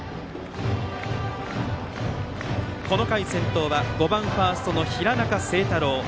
この回、先頭は５番ファーストの平中清太郎。